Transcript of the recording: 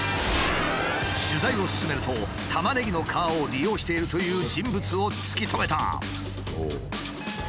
取材を進めるとタマネギの皮を利用しているという人物を突き止めた。